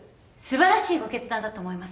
素晴らしいご決断だと思います。